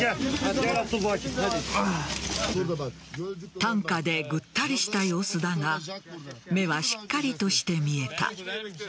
担架でぐったりした様子だが目はしっかりとして見えた。